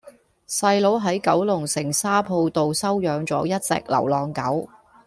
細佬喺九龍城沙浦道收養左一隻流浪狗